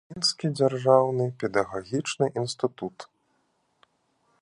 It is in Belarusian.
Мінскі дзяржаўны педагагічны інстытут.